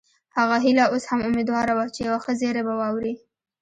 هيله اوس هم اميدواره وه چې یو ښه زیری به واوري